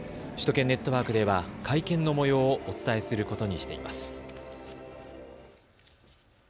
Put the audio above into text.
首都圏ネットワークでは会見のもようをお伝えすることにしています。